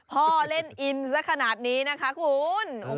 พ่อเล่นอินสักขนาดนี้นะคะคุณ